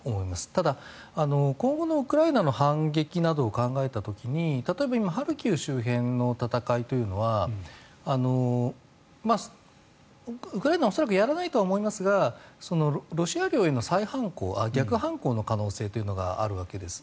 ただ、今後のウクライナの反撃などを考えた時に例えばハルキウ周辺の戦いというのはウクライナは恐らくやらないとは思いますがロシア領への逆反攻の可能性があるわけです。